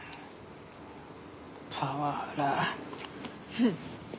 フッ。